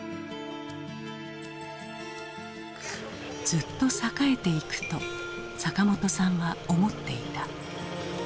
ずっと栄えていくと坂本さんは思っていた。